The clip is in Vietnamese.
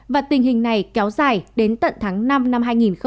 và tình hình này kéo dài đến tận tháng năm năm hai nghìn hai mươi